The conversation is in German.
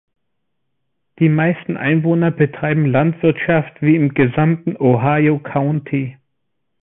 Die meisten Einwohner betreiben Landwirtschaft, wie im gesamten Ohio County.